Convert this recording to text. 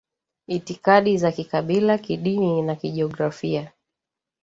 itikadi za kikabila kidini na kijiografia